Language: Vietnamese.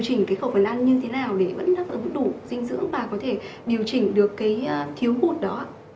chỉnh khẩu phần ăn như thế nào để vẫn đủ dinh dưỡng và có thể điều chỉnh được cái thiếu bụt đó